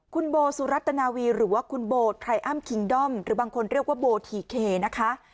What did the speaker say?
คุณโบสุรัตนาวีหรือว่าคุณโบไทรอัมคิงด้อมหรือบางคนเรียกว่าโบทีเคนะคะ